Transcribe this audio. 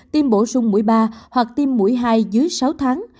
tiêm bổ sung mũi ba hoặc tiêm mũi hai dưới sáu tháng